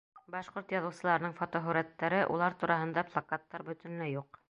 Башҡорт яҙыусыларының фотоһүрәттәре, улар тураһында плакаттар бөтөнләй юҡ.